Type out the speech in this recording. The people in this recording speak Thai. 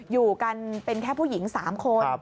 อยู่กันเป็นแค่ผู้หญิง๓คน